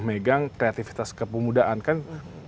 megang kreativitas kepemudaan kan ada usia gapnya